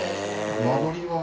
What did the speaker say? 間取りは？